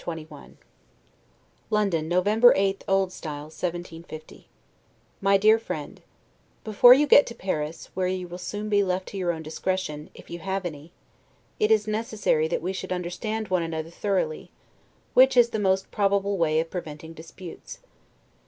LETTER CXXI LONDON, November 8, O. S. 1750 MY DEAR FRIEND: Before you get to Paris, where you will soon be left to your own discretion, if you have any, it is necessary that we should understand one another thoroughly; which is the most probable way of preventing disputes.